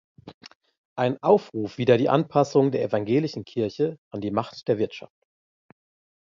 Ein Aufruf wider die Anpassung der Evangelischen Kirche an die Macht der Wirtschaft“.